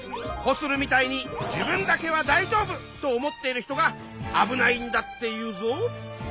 コスルみたいに自分だけは大丈夫と思ってる人があぶないんだっていうぞ。